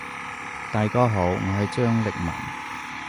大家好，我係張力文。